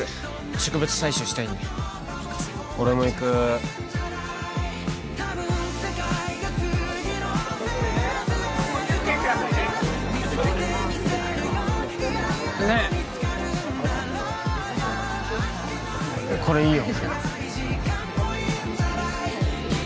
植物採集したいんで俺も行くねえこれいいよ